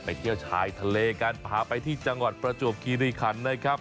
เที่ยวชายทะเลกันพาไปที่จังหวัดประจวบคีรีคันนะครับ